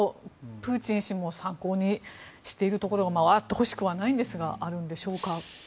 プーチン氏も参考にしているところがあってほしくはないんですがあるんでしょうか。